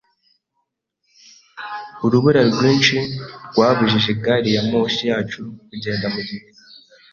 Urubura rwinshi rwabujije gari ya moshi yacu kugenda ku gihe.